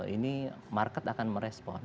ini market akan merespon